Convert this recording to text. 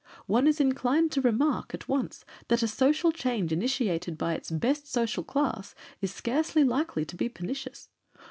One is inclined to remark, at once, that a social change initiated by its best social class is scarcely likely to be pernicious.